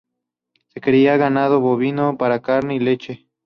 Se cría ganado bovino para carne y leche.